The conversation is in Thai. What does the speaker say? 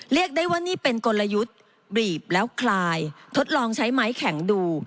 เรียกได้ว่านี่เป็นกลยุทธ์บีบแล้วคลายทดลองใช้ไม้แข็งดู